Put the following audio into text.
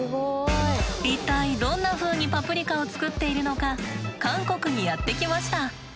一体どんなふうにパプリカを作っているのか韓国にやって来ました。